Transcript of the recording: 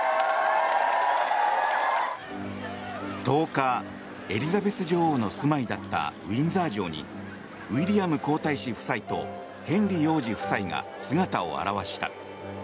１０日、エリザベス女王の住まいだったウィンザー城にウィリアム皇太子夫妻とヘンリー王子夫妻が姿を現した。